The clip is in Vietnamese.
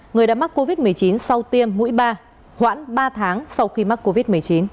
người đã mắc covid một mươi chín sau tiêm mũi ba hoãn ba tháng sau khi mắc covid một mươi chín